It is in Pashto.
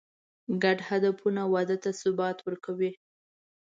ګډ هدفونه واده ته ثبات ورکوي.